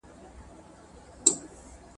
دا نو دوړدوړکي دي .